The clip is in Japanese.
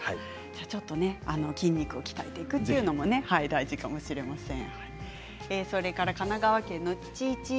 筋肉を鍛えていくということも大事かもしれません。